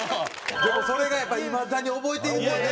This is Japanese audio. でもそれがやっぱいまだに覚えてるんやね